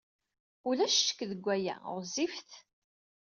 Ulac ccekk deg waya. Ɣezzifet.